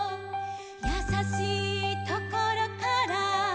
「やさしいところから」